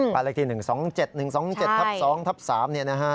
ปราฤทธิ๑๒๗๑๒๗ทับ๒ทับ๓เนี่ยนะฮะ